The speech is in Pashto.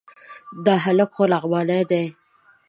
دا هلک خو لغمانی دی...